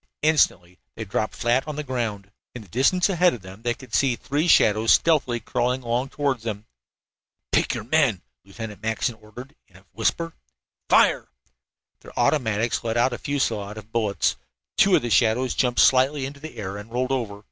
Instantly they dropped flat on the ground. In the distance ahead of them they could see three shadows stealthily crawling along toward them. "Pick your men!" Lieutenant Mackinson ordered, in a whisper. "Fire!" Their automatics let out a fusillade of bullets. Two of the shadows jumped slightly into the air, and then rolled over.